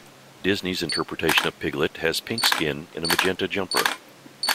Disney's interpretation of Piglet has pink skin and a magenta jumper.